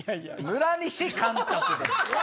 村西監督です。